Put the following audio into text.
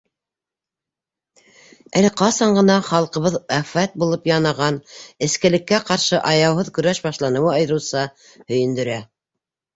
Әле ҡасан ғына халҡыбыҙға афәт булып янаған эскелеккә ҡаршы аяуһыҙ көрәш башланыуы айырыуса һөйөндөрә.